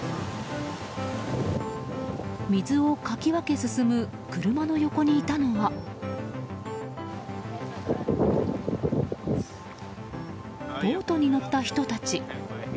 水をかき分け進む車の横にいたのはボートに乗った人たち。